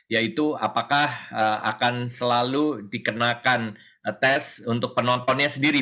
yaitu apakah akan selalu dikenakan tes untuk penontonnya sendiri